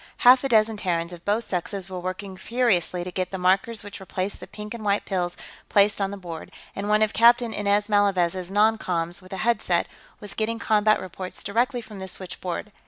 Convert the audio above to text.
Half a dozen Terrans, of both sexes, were working furiously to get the markers which replaced the pink and white pills placed on the board, and one of Captain Inez Malavez's non coms, with a headset, was getting combat reports directly from the switchboard.